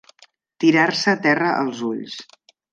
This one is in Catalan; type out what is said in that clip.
Tirar-se terra als ulls.